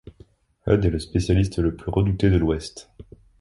Hud est le spécialiste le plus redouté de l'Ouest.